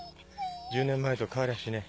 １０年前と変わりゃしねえ。